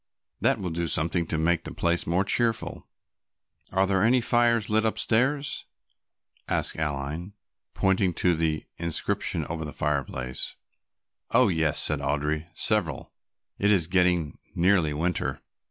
That will do something to make the place more cheerful." "Are there any fires lit upstairs?" asked Aline, pointing to the inscription over the fireplace. "Oh, yes," said Audry, "several, it is getting nearly winter."